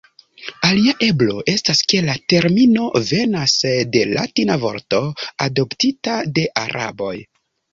Alia eblo estas ke la termino venas de latina vorto adoptita de araboj.